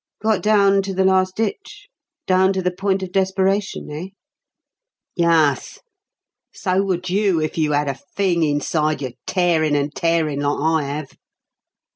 "Got down to the last ditch down to the point of desperation, eh?" "Yuss. So would you if you 'ad a fing inside you tearin' and tearin' like I 'ave.